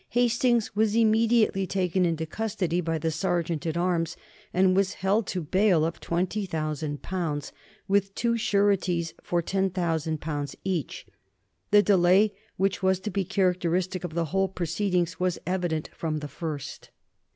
Hastings was immediately taken into custody by the Sergeant at Arms, and was held to bail for 20,000 pounds, with two sureties for 10,000 pounds each. The delay which was to be characteristic of the whole proceedings was evident from the first.